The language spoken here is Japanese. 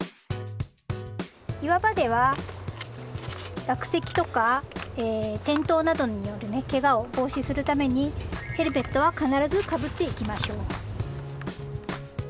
岩場では落石とか転倒などによるケガを防止するためにヘルメットは必ずかぶっていきましょう。